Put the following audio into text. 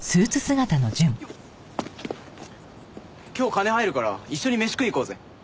今日金入るから一緒にメシ食いに行こうぜ。